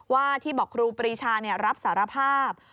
ว่าที่บอกครูปรีชารับสารภาพ